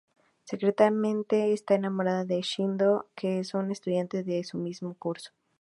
Secretamente está enamorada de Shindo, que es un estudiante de su mismo curso.